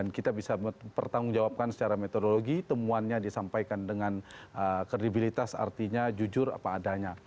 ini adalah obat pertanggung jawabkan secara metodologi temuannya disampaikan dengan kredibilitas artinya jujur apa adanya